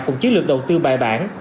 cùng chiến lược đầu tư bài bản